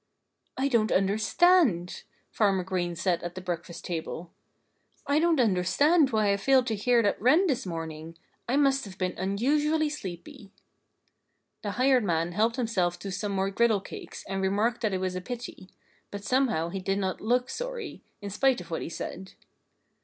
"I don't understand " Farmer Green said at the breakfast table "I don't understand why I failed to hear that wren this morning. I must have been unusually sleepy." The hired man helped himself to some more griddle cakes and remarked that it was a pity. But somehow he did not look sorry, in spite of what he said.